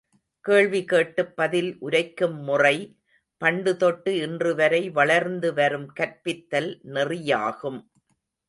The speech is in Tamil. கேள்வி கேட்டுப் பதில் உரைக்கும் முறை பண்டு தொட்டு இன்று வரை வளர்ந்து வரும் கற்பித்தல் நெறியாகும்.